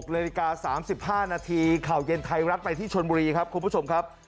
นาฬิกา๓๕นาทีข่าวเย็นไทยรัฐไปที่ชนบุรีครับคุณผู้ชมครับ